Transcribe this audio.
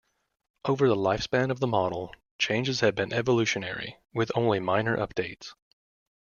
Over the lifespan of the model, changes have been evolutionary, with only minor updates.